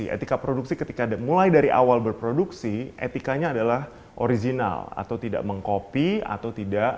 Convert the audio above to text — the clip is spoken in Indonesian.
etika produksi ketika mulai dari awal berproduksi etikanya adalah original atau tidak mengkopi atau tidak